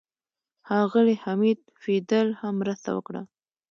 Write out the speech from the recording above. ښاغلي حمید فیدل هم مرسته وکړه.